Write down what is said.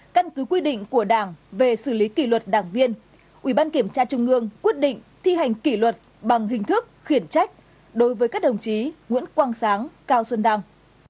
căn cứ quy định của đảng về xử lý kỷ luật đảng viên ủy ban kiểm tra trung ương quyết định thi hành kỷ luật bằng hình thức khiển trách đối với các đồng chí nguyễn quang sáng cao xuân đăng